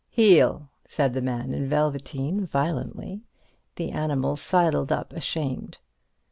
"Heel," said the man in velveteen, violently. The animal sidled up, ashamed.